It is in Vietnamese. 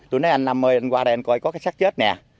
tôi nói anh nam ơi anh qua đây anh coi có cái sát chết nè